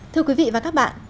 thưa quý vị và các bạn